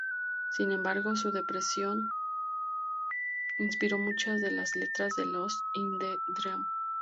Sin embargo, su depresión inspiró muchas de las letras de "Lost in the Dream".